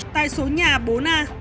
tại số nhà bốn a